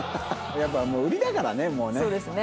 やっぱもう売りだからねもうね。